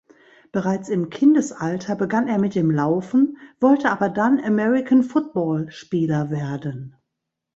Bereits im Kindesalter begann er mit dem Laufen, wollte aber dann American Football-Spieler werden.